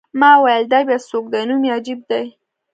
ما وویل: دا بیا څوک دی؟ نوم یې عجیب دی.